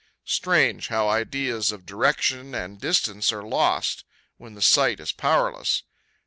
Strange how ideas of direction and distance are lost when the sight is powerless!